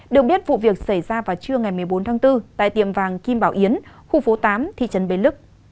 được biết vụ việc xảy ra vào trưa ngày một mươi bốn tháng bốn tại tiệm vàng kim bảo yến khu phố tám thị trấn bến lức